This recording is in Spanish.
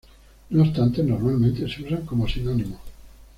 No obstante, normalmente se usan como sinónimos.